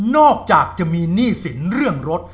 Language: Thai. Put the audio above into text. อกจากจะมีหนี้สินเรื่องรถ